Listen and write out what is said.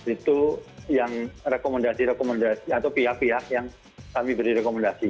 itu yang rekomendasi rekomendasi atau pihak pihak yang kami beri rekomendasi